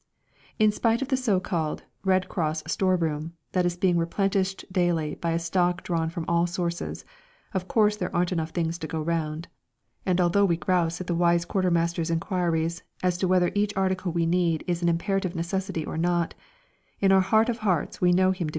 In spite of the so called "Red Cross Store Room" that is being replenished daily by stock drawn from all sources, of course there aren't enough things to go round, and although we grouse at the wise quartermaster's inquiries as to whether each article we need is an imperative necessity or not, in our heart of hearts we know him to be in the right.